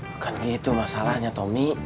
bukan gitu masalahnya tommy